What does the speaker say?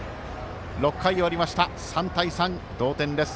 ６回終わりました、３対３同点です。